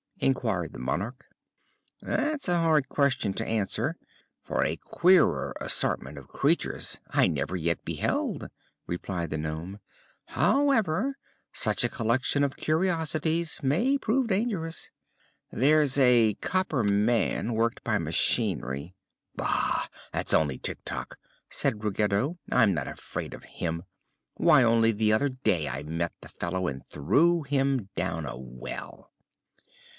inquired the Monarch. "That's a hard question to answer, for a queerer assortment of creatures I never yet beheld," replied the nome. "However, such a collection of curiosities may prove dangerous. There's a copper man, worked by machinery " "Bah! that's only Tik Tok," said Ruggedo. "I'm not afraid of him. Why, only the other day I met the fellow and threw him down a well."